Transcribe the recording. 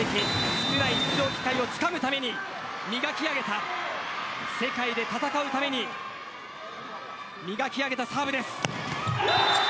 少ない出場機会をつかむために磨き上げた世界で戦うために磨き上げたサーブです。